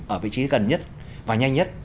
ở vị trí gần nhất và nhanh nhất